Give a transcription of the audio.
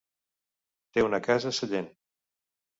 Té una casa a Sellent.